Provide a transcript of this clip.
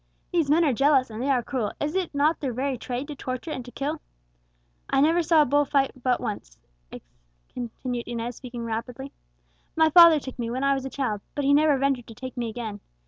These men are jealous, and they are cruel; is it not their very trade to torture and to kill? I never saw a bull fight but once," continued Inez, speaking rapidly. "My father took me when I was a child; but he never ventured to take me again.